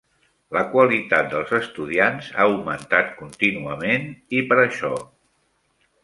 La qualitat dels estudiants ha augmentat contínuament i per això.